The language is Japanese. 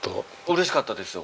嬉しかったですよ